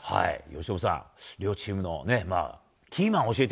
由伸さん、両チームのキーマ